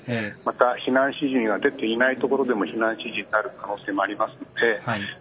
また、避難指示が出ていない所でも避難指示になる可能性があります。